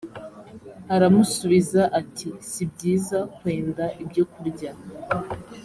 aramusubiza ati si byiza kwenda ibyokurya